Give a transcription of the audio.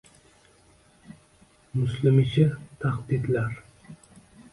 Muslimishi — tahdidlar.